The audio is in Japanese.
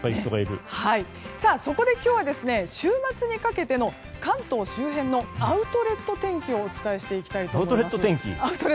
そこで今日は、週末にかけての関東周辺のアウトレット天気をお伝えしていきたいと思います。